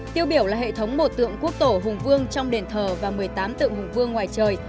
tiêu biểu là hệ thống một tượng quốc tổ hùng vương trong đền thờ và một mươi tám tượng hùng vương ngoài trời